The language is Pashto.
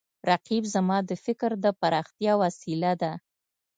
رقیب زما د فکر د پراختیا وسیله ده